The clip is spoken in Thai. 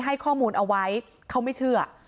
ให้ข้อมูลเอาไว้เขาไม่เชื่อ